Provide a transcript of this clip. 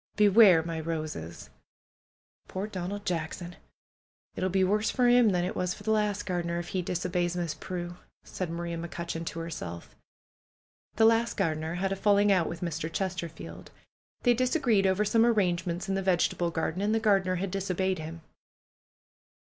"Beware my roses !" "Poor Donald Jackson! It'll be worse for 'im than PRUE'S GARDENER 175 it was for the last gardener, if he disobeys Miss Pme V* said Maria McCutcheon to herself. The last gardener had a falling out with Mr. Ches terfield. They disagreed over some arrangements in the vegetable garden and the gardener had disobeyed him.